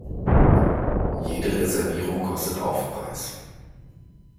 Jede Reservierung kostet Aufpreis.